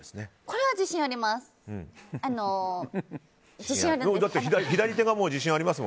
これは自信あります。